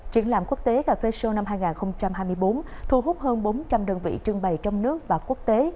triển lãm quốc tế cà phê show năm hai nghìn hai mươi bốn thu hút hơn bốn trăm linh đơn vị trưng bày trong nước và quốc tế